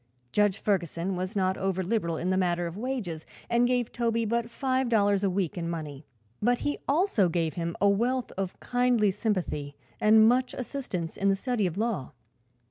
Judge Ferguson was not over liberal in the matter of wages and gave Toby but five dollars a week in money; but he also gave him a wealth of kindly sympathy and much assistance in the study of law.